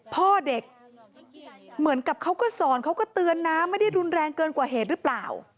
พ่อเด็กเหมือนกับเขาก็สอนเขาก็เตือนนะไม่ได้รุนแรงเกินกว่าเหตุหรือเปล่า